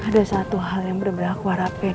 ada satu hal yang bener bener aku harapin